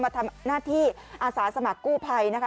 ทำหน้าที่อาสาสมัครกู้ภัยนะคะ